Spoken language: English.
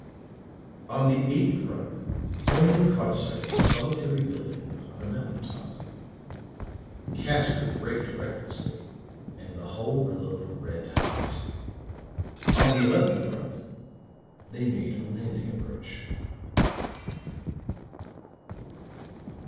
On the eighth run, Hellman caught sight of a solitary building on a mountain top. Casker braked recklessly, and the hull glowed red hot. On the eleventh run, they made a landing approach.